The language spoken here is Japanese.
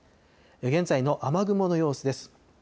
現在の雨雲の様子です。